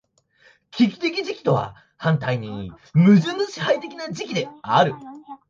危機的時期とは反対に矛盾の支配的な時期である。